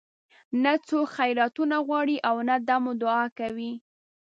نه څوک خیراتونه غواړي او نه دم دعاوې کوي.